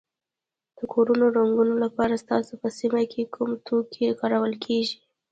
د کورونو رنګولو لپاره ستاسو په سیمه کې کوم توکي کارول کیږي.